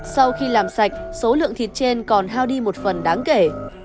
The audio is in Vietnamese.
sau khi làm sạch số lượng thịt trên còn hao đi một phần đáng kể